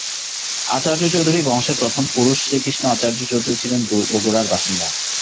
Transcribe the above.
আচার্য্য চৌধুরী বংশের প্রথম পুরুষ শ্রীকৃষ্ণ আচার্য্য চৌধুরী ছিলেন বগুড়ার বাসিন্দা।